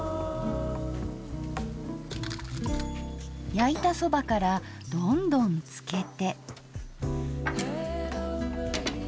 焼いたそばからどんどん漬けて。